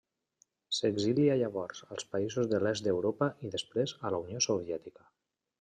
S'exilia llavors als països de l'est d'Europa i després a la Unió Soviètica.